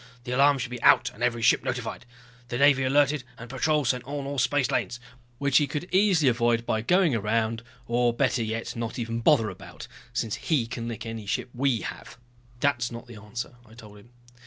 The alarm should be out and every ship notified. The Navy alerted and patrols set on all spacelanes " "Which he could easily avoid by going around, or better yet not even bother about, since he can lick any ship we have. That's not the answer," I told him.